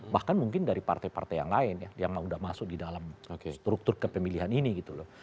bahkan mungkin dari partai partai yang lain ya yang sudah masuk di dalam struktur kepemilian ini gitu loh